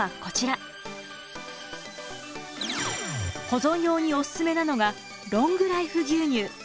保存用におすすめなのがロングライフ牛乳。